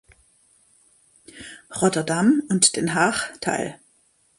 Rotterdam und Den Haag teil.